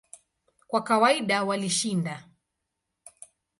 Kwa kawaida walishinda.